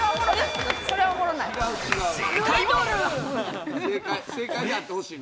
正解は。